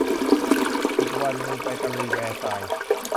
อีกวันนึงไปตะลุยแวร์ซายน์